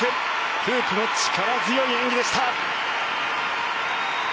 フープの力強い演技でした。